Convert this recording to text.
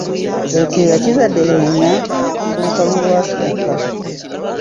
Ekyeya kizadde leenya ku lukalu lwa "Africa".